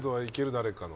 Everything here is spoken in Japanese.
誰かの。